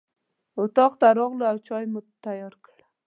اطاق ته راغلو او چای مو تیار کړ.